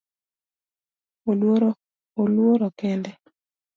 Oluoro kede